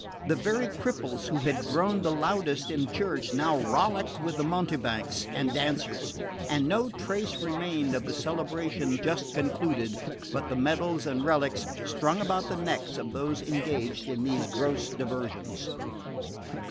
The very cripples who had groaned the loudest in church now rollicked with the mountebanks and dancers; and no trace remained of the celebration just concluded but the medals and relics strung about the necks of those engaged in these gross diversions.